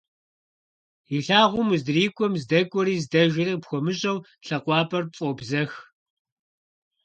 И лъагъуэм уздрикIуэм, здэкIуари здэжари къыпхуэмыщIэу, лъакъуапIэр пфIобзэх.